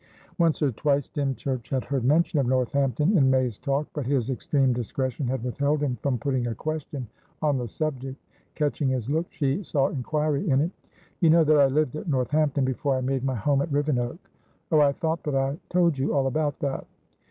Once or twice Dymchurch had heard mention of Northampton in May's talk, but his extreme discretion had withheld him from putting a question on the subject. Catching his look, she saw inquiry in it. "You know that I lived at Northampton, before I made my home at Rivenoak? Oh, I thought that I had told you all about that."